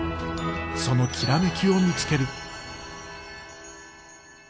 その煌めきを見つける。